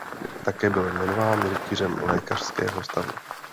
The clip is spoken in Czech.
Také byl jmenován Rytířem lékařského stavu.